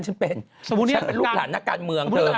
ฉันเป็นลูกหลานการเมืองเธอ